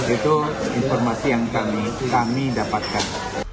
itu informasi yang kami dapatkan